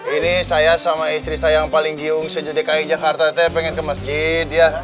ini saya sama istri saya yang paling giung sejedeh kaya jakarta pengen ke masjid ya